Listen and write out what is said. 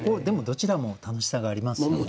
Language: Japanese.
でもどちらも楽しさがありますよね。